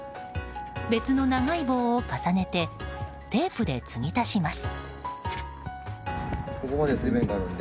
別の長い棒を重ねてテープで継ぎ足します。